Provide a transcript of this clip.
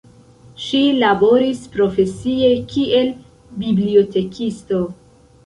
Ŝi laboris profesie kiel bibliotekisto.